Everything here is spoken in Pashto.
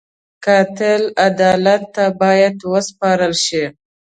قاتل عدالت ته باید وسپارل شي